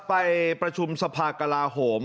ไปประชุมสภากลาโหม